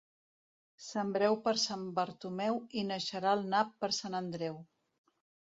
Sembreu per Sant Bartomeu i naixerà el nap per Sant Andreu.